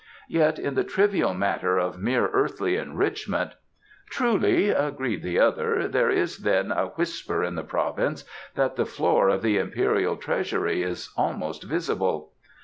Yet in the trivial matter of mere earthly enrichment " "Truly," agreed the other. "There is, then, a whisper in the province that the floor of the Imperial treasury is almost visible."